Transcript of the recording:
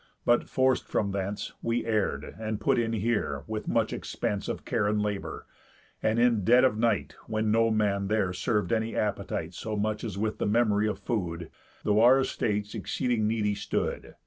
But, forc'd from thence, We err'd, and put in here, with much expence Of care and labour; and in dead of night, When no man there serv'd any appetite So much as with the memory of food, Though our estates exceeding needy stood.